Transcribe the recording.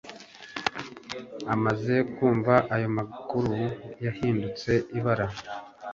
Amaze kumva ayo makuru, yahindutse ibara